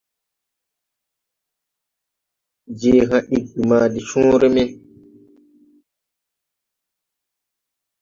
Je haa ɗiggi ma de cõõre me.